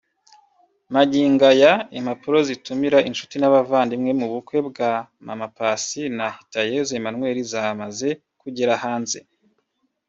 Magingo aya impapuro zitumira inshuti n’abavandimwe mu bukwe bwa Mama Paccy na Hitayezu Emmanuel zamaze kugera hanze